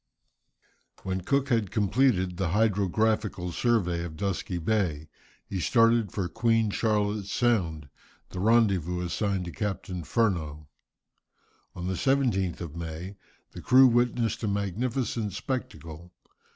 When Cook had completed the hydrographical survey of Dusky Bay, he started for Queen Charlotte's Sound, the rendezvous assigned to Captain Furneaux. On the 17th of May the crew witnessed a magnificent spectacle.